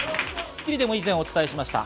『スッキリ』でも以前お伝えしました。